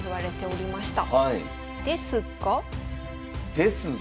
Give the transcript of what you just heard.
ですが。